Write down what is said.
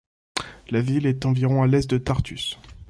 La ville est a environ a l'est de Tartus.